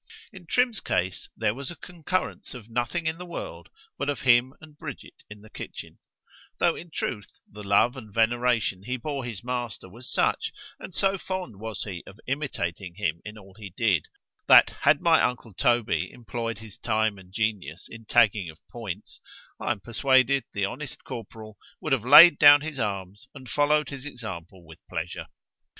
——In Trim's case there was a concurrence of nothing in the world, but of him and Bridget in the kitchen;—though in truth, the love and veneration he bore his master was such, and so fond was he of imitating him in all he did, that had my uncle Toby employed his time and genius in tagging of points——I am persuaded the honest corporal would have laid down his arms, and followed his example with pleasure.